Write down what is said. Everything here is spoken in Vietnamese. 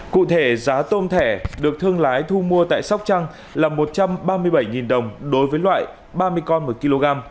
cụ thể giá tôm thẻ được thương lái thu mua tại sóc trăng là một trăm ba mươi bảy đồng đối với loại ba mươi con một kg